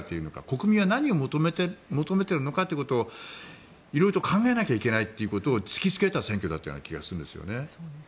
国民は何を求めているのかということを色々と考えなければいけないっていうことを突きつけた選挙だったような気がするんですよね。